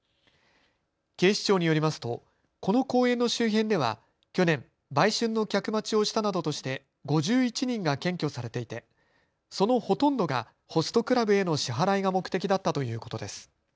警視庁によりますと、この公園の周辺では去年、売春の客待ちをしたなどとして５１人が検挙されていて、そのほとんどがホストクラブへの支払いが目的だったということです。